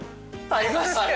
ありました。